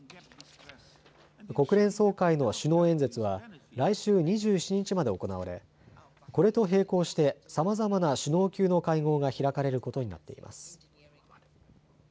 国連総会の首脳演説は来週２７日まで行われこれと並行してさまざまな首脳級の会合が開かれることになっています。